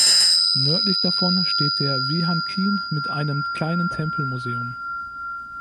Nördlich davon steht der "Wihan Kien" mit einem kleinen Tempel-Museum.